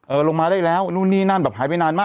ลงมาได้แล้วนู่นนี่นั่นแบบหายไปนานมาก